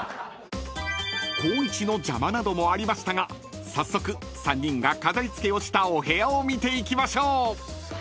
［光一の邪魔などもありましたが早速３人が飾りつけをしたお部屋を見ていきましょう］